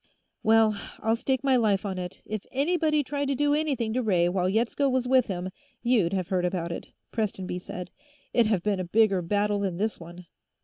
"Well, I'll stake my life on it; if anybody tried to do anything to Ray while Yetsko was with him, you'd have heard about it," Prestonby said. "It'd have been a bigger battle than this one."